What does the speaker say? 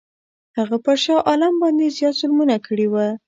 هغه پر شاه عالم باندي زیات ظلمونه کړي وه.